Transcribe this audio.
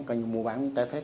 coi như mua bán trái phép